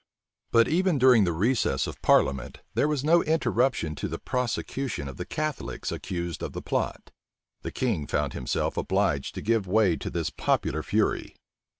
But even during the recess of parliament, there was no interruption to the prosecution of the Catholics accused of the plot: the king found himself obliged to give way to this popular fury.